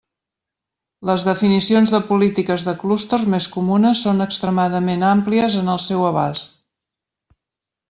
Les definicions de polítiques de clúster més comunes són extremadament àmplies en el seu abast.